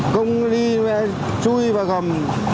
công đi chui và gầm